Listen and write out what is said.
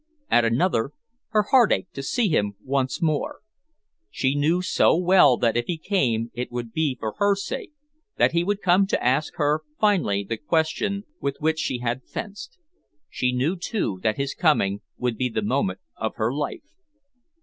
At another, her heart ached to see him once more. She knew so well that if he came it would be for her sake, that he would come to ask her finally the question with which she had fenced. She knew, too, that his coming would be the moment of her life.